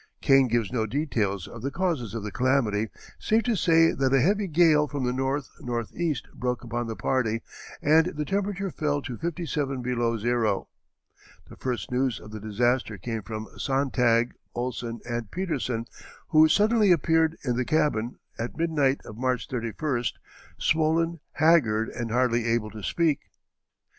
Kane gives no details of the causes of the calamity save to say that "a heavy gale from the north northeast broke upon the party, and the temperature fell to fifty seven below zero." The first news of the disaster came from Sontag, Ohlsen, and Petersen, who suddenly appeared in the cabin, at midnight of March 31st, swollen, haggard, and hardly able to speak.